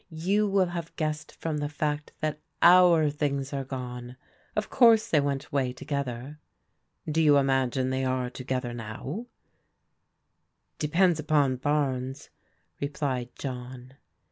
' You will have guessed from the fact that our things are gone.' Of course they went away together." "Do you imagine they are together now?*^ 128 PRODIGAL DAUGHTERS " Depends upon Barnes/' replied John.